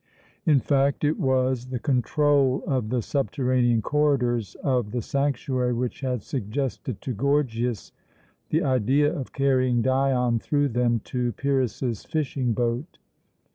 In fact, it was the control of the subterranean corridors of the sanctuary which had suggested to Gorgias the idea of carrying Dion through them to Pyrrhus's fishing boat.